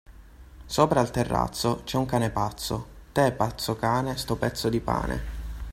Sopra al terrazzo, c'è un cane pazzo, te' pazzo cane, sto pezzo di pane.